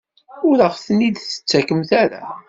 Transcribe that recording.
Ur aɣ-tent-id-tettakemt ara?